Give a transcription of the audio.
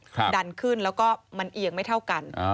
ดันขึ้นแล้วก็มันเอียงไม่เท่ากัน